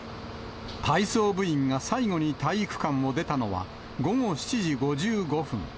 体操部員が最後に体育館を出たのは午後７時５５分。